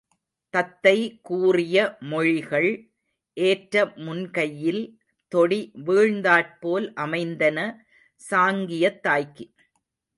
தத்தை கூறிய மொழிகள், ஏற்ற முன்கையில் தொடி வீழ்ந்தாற்போல் அமைந்தன சாங்கியத் தாய்க்கு.